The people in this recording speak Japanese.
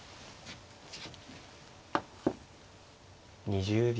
２０秒。